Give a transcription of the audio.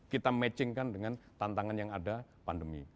kita matchingkan dengan tantangan yang ada pandemi